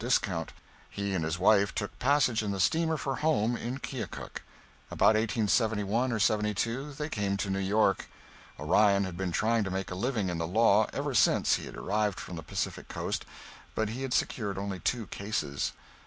discount. He and his wife took passage in the steamer for home in Keokuk. About 1871 or '72 they came to New York. Orion had been trying to make a living in the law ever since he had arrived from the Pacific Coast, but he had secured only two cases.